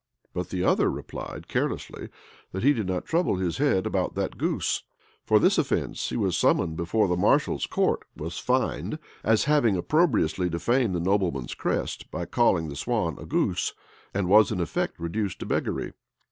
But the other replied carelessly, that he did not trouble his head about that goose. For this offence, he was summoned before the marshal's court; was fined, as having opprobriously defamed the nobleman's crest, by calling the swan a goose; and was in effect reduced to beggary.